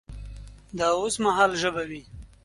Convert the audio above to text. د اوس مهال ژبه وي